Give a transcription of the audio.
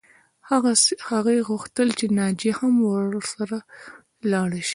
هغې غوښتل چې ناجیه هم ورسره لاړه شي